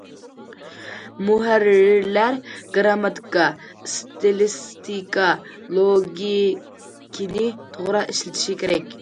مۇھەررىرلەر گىرامماتىكا، ئىستىلىستىكا، لوگىكىنى توغرا ئىشلىتىشى كېرەك.